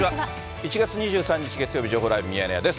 １月２３日月曜日、情報ライブミヤネ屋です。